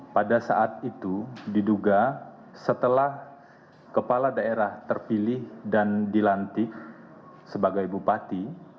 pada saat itu diduga setelah kepala daerah terpilih dan dilantik sebagai bupati